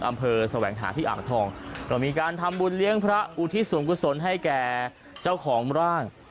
อำเภอแสวงหาที่อ่างทองก็มีการทำบุญเลี้ยงพระอุทิศส่วนกุศลให้แก่เจ้าของร่าง